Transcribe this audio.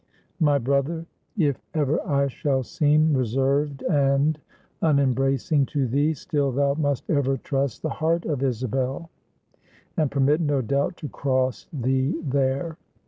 My brother, if ever I shall seem reserved and unembracing to thee, still thou must ever trust the heart of Isabel, and permit no doubt to cross thee there.